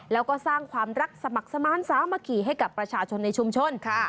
และสร้างความรักสมัครสมานสามารถให้ประชาชนในชุมชน